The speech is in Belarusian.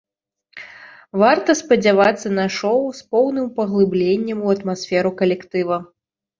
Варта спадзявацца на шоў з поўным паглыбленнем у атмасферу калектыва.